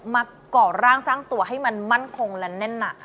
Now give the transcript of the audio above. ก่อร่างสร้างตัวให้มันมั่นคงและแน่นหนัก